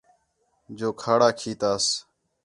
جو کھاڑا کھیتاس